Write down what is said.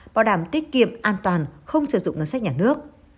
bảo đảm tiết kiệm an toàn không sử dụng ngân sách nhà nước